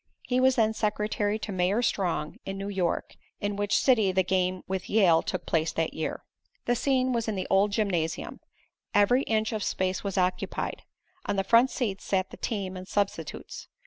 He was then secretary to Mayor Strong, in New York, in which city the game with Yale took place that year. The scene was in the old gymnasium. Every inch of space was occupied. On the front seats sat the team and substitutes.